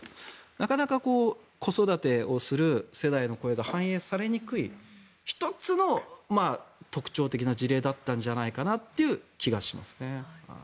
なかなか子育てをする世代の声が反映されにくい１つの特徴的な事例だったんじゃないかなという気がしますね。